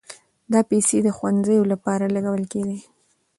دا پيسې د ښوونځيو لپاره لګول کېدې.